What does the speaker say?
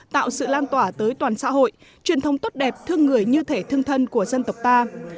tạo sự lan tỏa tới toàn xã hội truyền thông tốt đẹp thương người như thể thương thân của dân tộc ta